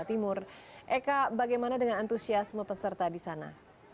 eka bagaimana dengan antusiasme peserta di sana